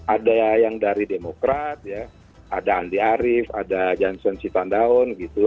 ada yang dari demokrat ya ada andi arief ada janson sitandaun gitu